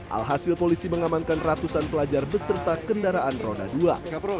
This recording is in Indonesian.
alhasil polisi mengamankan ratusan pelajar beserta kendaraan roda dua